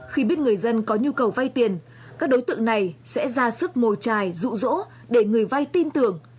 khi biết người dân có nhu cầu vay tiền các đối tượng này sẽ ra sức mồ trài rụ rỗ để người vai tin tưởng